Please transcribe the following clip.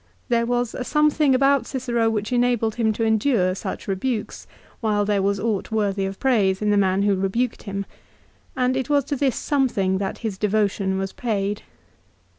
There was a some thing about Cicero which enabled him to endure such rebukes while there was aught worthy of praise in the man who rebuked him ; and it was to this something that his devotion was paid.